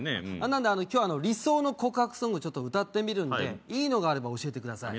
なんで今日は理想の告白ソングをちょっと歌ってみるんでいいのがあれば教えてください